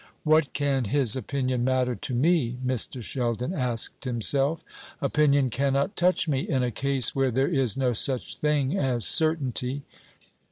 "What can his opinion matter to me?" Mr. Sheldon asked himself; "opinion cannot touch me in a case where there is no such thing as certainty.